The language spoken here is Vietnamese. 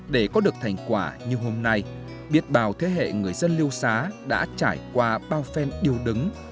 để có được thành quả như hôm nay biết bào thế hệ người dân liêu xá đã trải qua bao phen điều đứng